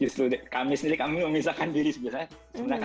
justru kami sendiri kami memisahkan diri sebenarnya